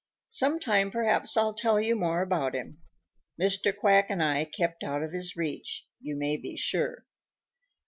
Some time perhaps I'll tell you more about him. Mr. Quack and I kept out of his reach, you may be sure.